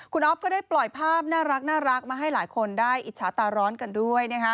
คุณอ๊อฟก็ได้ปล่อยภาพน่ารักมาให้หลายคนได้อิจฉาตาร้อนกันด้วยนะฮะ